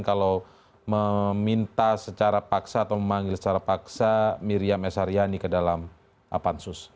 kalau meminta secara paksa atau memanggil secara paksa miriam s haryani ke dalam pansus